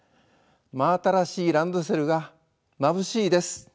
真新しいランドセルがまぶしいです」。